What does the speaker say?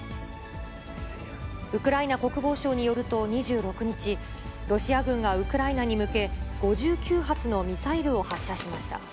ウクライナ国防省によると、２６日、ロシア軍がウクライナに向け、５９発のミサイルを発射しました。